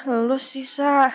leluh si sa